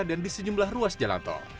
dan di sejumlah ruas jalan tol